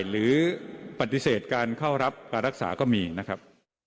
หรือปฏิเสธการเข้ารับการรักษาก็มีนะครับ